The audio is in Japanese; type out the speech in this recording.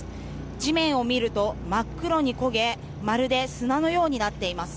地面を見ると真っ黒に焦げ、まるで砂のようになっています。